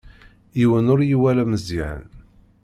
Yiwen ur iwala Meẓyan.